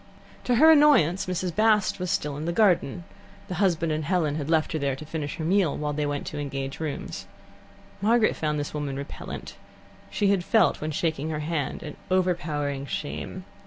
To her annoyance, Mrs. Bast was still in the garden; the husband and Helen had left her there to finish her meal while they went to engage rooms. Margaret found this woman repellent. She had felt, when shaking her hand, an overpowering shame.